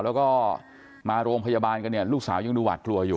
แล้วก็มาโรงพยาบาลกันเนี่ยลูกสาวยังดูหวาดกลัวอยู่